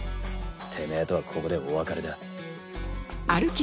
テメェとはここでお別れだ。